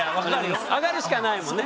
上がるしかないもんね。